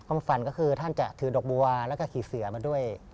ฝันก็คือท่านจะถือดอกบัวแล้วก็ขี่เสือมาด้วย